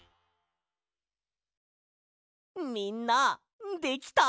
みんなできた？